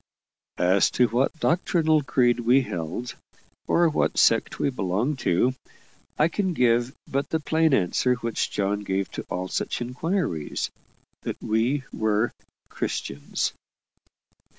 As to what doctrinal creed we held, or what sect we belonged to, I can give but the plain answer which John gave to all such inquiries that we were CHRISTIANS.